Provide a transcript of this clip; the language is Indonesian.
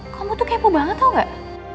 kamu tuh kepo banget tau gak